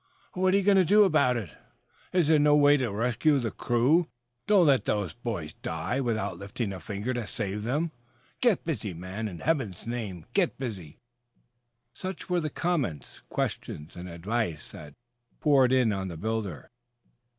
"What are you going to do about it?" "Is there no way to rescue the crew?" "Don't let those boys die, without lifting a finger to save them." "Get busy, man in heaven's name, get busy!" Such were the comments, questions and advice that poured in on the builder.